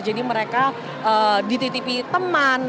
jadi mereka dititipi teman